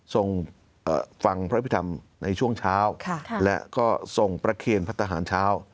ส่งฟังพระพิธรรมในช่วงเช้าและก็ทรงประเคนพระทหารเช้า